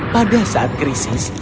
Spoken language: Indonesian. pada saat krisis